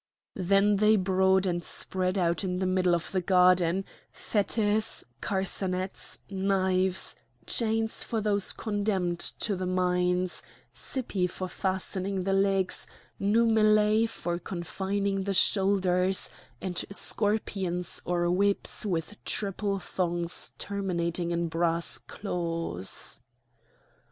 Then they brought and spread out in the middle of the garden, fetters, carcanets, knives, chains for those condemned to the mines, cippi for fastening the legs, numellæ for confining the shoulders, and scorpions or whips with triple thongs terminating in brass claws.